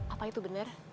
apa itu benar